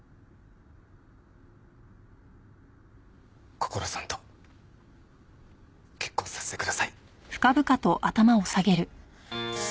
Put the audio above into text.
こころさんと結婚させてください。